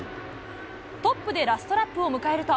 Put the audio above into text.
トップでラストラップを迎えると。